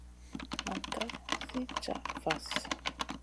Nam ka sli caha vahl.